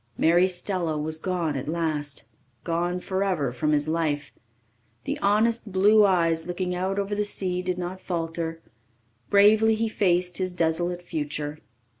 Mary Stella was gone at last gone forever from his life. The honest blue eyes looking out over the sea did not falter; bravely he faced his desolate future.